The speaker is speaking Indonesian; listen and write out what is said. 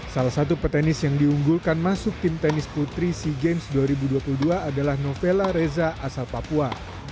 salah satu petenis yang diunggulkan masuk tim tenis putri sea games dua ribu dua puluh dua adalah novela reza asal papua